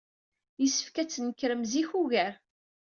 Yessefk ad d-tnekrem zik ugar.